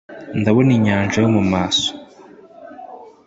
ndabona inyanja yo mumaso